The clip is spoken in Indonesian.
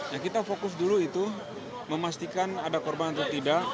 ya kita fokus dulu itu memastikan ada korban atau tidak